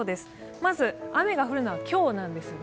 まず雨が降るのは今日なんですね。